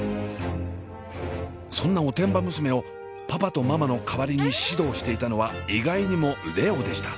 そんなおてんば娘をパパとママの代わりに指導していたのは意外にも蓮音でした。